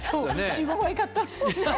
４５枚買ったの。